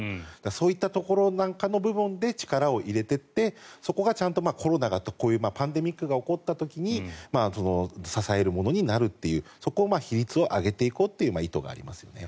そういったところなんかの部分で力を入れてってそこがちゃんとコロナがパンデミックが起こった時に支えるものになるというそこの比率を上げていこうという意図がありますよね。